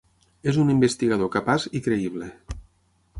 És un investigador capaç i creïble.